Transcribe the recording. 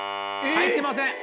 入ってません。